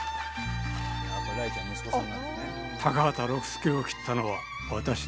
高畑六助を斬ったのは私だ。